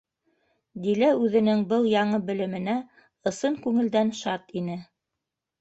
Дилә үҙенең был яңы белеменә ысын күңелдән шат ине.